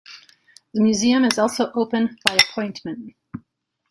The museum is also open by appointment.